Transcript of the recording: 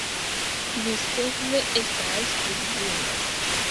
Vi sekve estas vidvino!